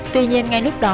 tuy nhiên ngay lúc đó